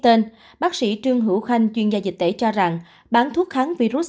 trước đó bác sĩ trương hữu khanh chuyên gia dịch tễ cho rằng bán thuốc kháng virus